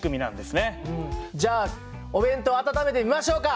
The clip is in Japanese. じゃあお弁当温めてみましょうか。